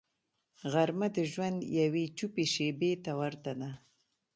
غرمه د ژوند یوې چوپې شیبې ته ورته ده